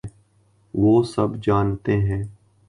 وہ سب جانتے ہیں۔